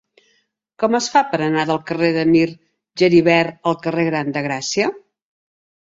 Com es fa per anar del carrer de Mir Geribert al carrer Gran de Gràcia?